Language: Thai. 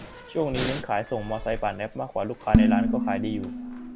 ช่วงนี้เน้นขายส่งมอไซค์ผ่านแอพ มากกว่าลูกค้าในร้าน ก็ขายดีอยู